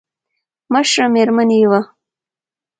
مشره مېرمن يې وه.